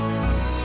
eh ya bu